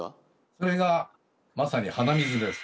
それがまさに鼻水です